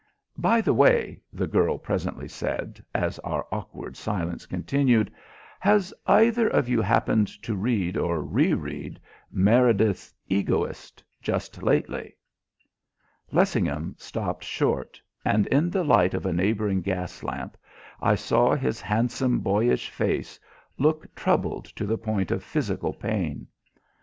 "By the way," the girl presently said, as our awkward silence continued, "has either of you happened to read, or re read, Meredith's 'Egoist' just lately?" Lessingham stopped short, and in the light of a neighbouring gas lamp I saw his handsome, boyish face look troubled to the point of physical pain.